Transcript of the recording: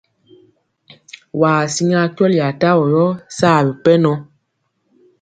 Waa siŋa kyɔli atavɔ yɔ saa bipɛnɔ.